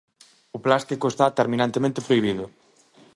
O plástico está terminantemente prohibido.